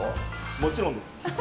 もちろんです。